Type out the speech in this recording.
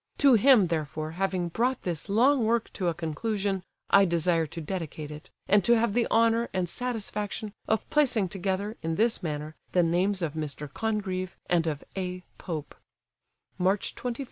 To him, therefore, having brought this long work to a conclusion, I desire to dedicate it, and to have the honour and satisfaction of placing together, in this manner, the names of Mr. CONGREVE, and of March 25, 1720 A.